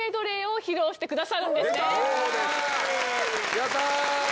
やったー！